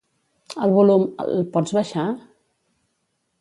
El volum, el pots baixar?